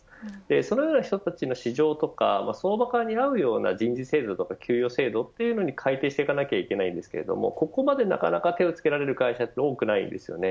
そのような人たちの市場や相場観に合うような人事制度を給与制度を改定しないといけませんがここまでなかなか手をつけられる会社は多くないです。